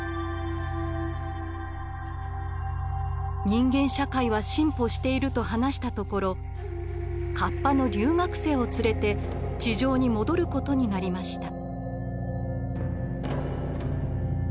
人間社会は進歩していると話したところ河童の留学生を連れて地上に戻ることになりました。